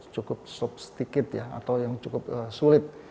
cukup sedikit atau yang cukup sulit